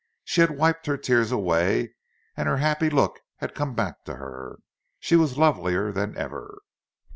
She had wiped her tears away, and her happy look had come back to her; she was lovelier than ever.